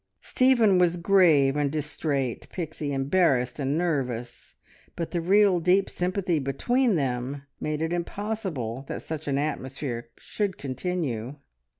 Stephen was grave and distrait, Pixie embarrassed and nervous, but the real deep sympathy between them made it impossible that such an atmosphere should continue.